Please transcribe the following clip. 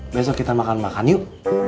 besok kita makan makan yuk